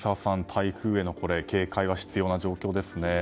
台風への警戒が必要な状況ですね。